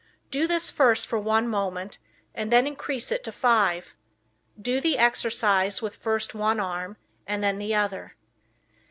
Do this first for one moment and then increase it to five. Do the exercise with first one arm and then the other.